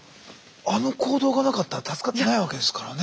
あの行動がなかったら助かってないわけですからね。